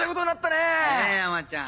ねぇ山ちゃん。